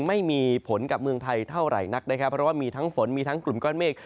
ไม่มีผลกับเมืองไทยเท่าไหร่นักนะครับเพราะว่ามีทั้งฝนมีทั้งกลุ่มก้อนเมฆ